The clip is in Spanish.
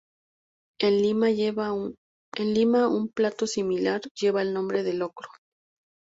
En Lima, un plato similar lleva el nombre de locro.